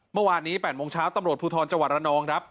เมื่อวานนี้๘โมงเช้าตำรวจภูทรจังหวัดระนองครับ